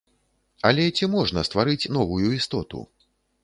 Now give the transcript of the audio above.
Але ці можна стварыць новую істоту?